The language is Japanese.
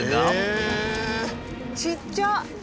ちっちゃ！